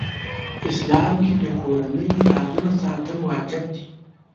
اسلام کې د کورنۍ رازونه ساتل واجب دي .